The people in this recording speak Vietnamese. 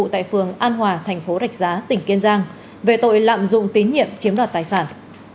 tại phường an hòa thành phố rạch giá tỉnh kiên giang về tội lạm dụng tín nhiệm chiếm đoạt tài sản